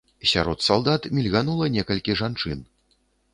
Сярод салдат мільганула некалькі жанчын.